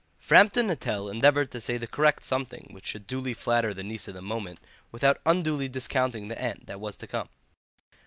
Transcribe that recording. Framton Nuttel endeavoured to say the correct something which should duly flatter the niece of the moment without unduly discounting the aunt that was to come.